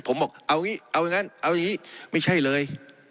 ผมบอกเอาอย่างนั้นเอาอย่างนี้ไม่ใช่เลย